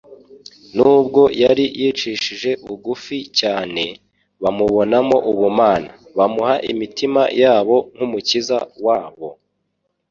Nubwo yari yicishije bugufi cyane, bamubonamo ubumana. Bamuha imitima yabo nk'Umukiza wa bo,